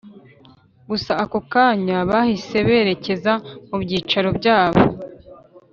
gusa ako kanya bahise berekeza mubyicaro byabo